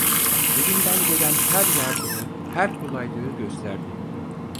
Elinden gelen her yardımı, her kolaylığı gösterdi.